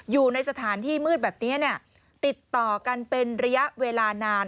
อยู่ในสถานที่มืดแบบนี้ติดต่อกันเป็นระยะเวลานาน